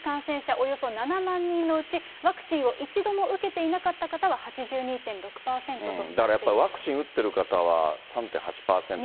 およそ７万人のうち、ワクチンを１度も受けていなかった方は、だからやっぱり、ワクチン打ってる方は３．８％。